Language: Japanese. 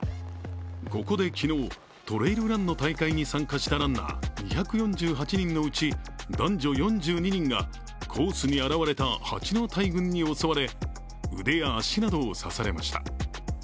ここで昨日、トレイルランの大会に参加したランナー２４８人のうち男女４２人がコースに現れたハチの大群に襲われ腕や足などを刺されました。